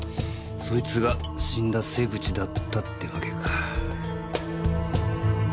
そいつが死んだ瀬口だったってわけか。